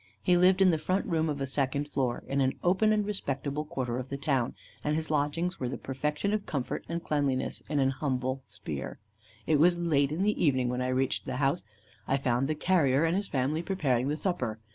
He lived in the front room of a second floor, in an open and respectable quarter of the town, and his lodgings were the perfection of comfort and cleanliness in an humble sphere. It was late in the evening when I reached the house; I found the 'carrier' and his family preparing the supper.